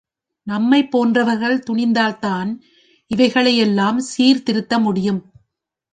நம்மைப் போன்றவர்கள் துணிந்தால்தான், இவைகளை யெல்லாம் சீர்திருத்த முடியும்.